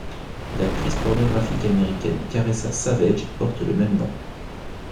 L'actrice pornographique américaine Caressa Savage porte le même nom.